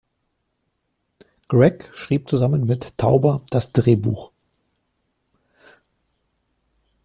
Greig schrieb zusammen mit Tauber das Drehbuch.